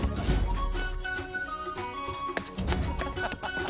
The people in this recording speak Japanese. ハハハハ！